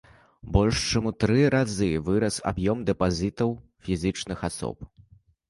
Больш чым у тры разы вырас аб'ём дэпазітаў фізічных асоб.